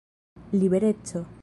libereco